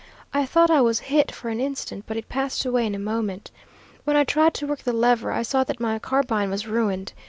I thought I was hit for an instant, but it passed away in a moment. When I tried to work the lever I saw that my carbine was ruined.